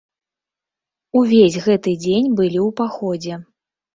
Увесь гэты дзень былі ў паходзе.